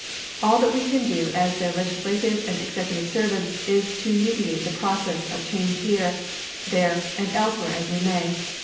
All that we can do as their legislative and executive servants is to mediate the process of change here, there and elsewhere as we may.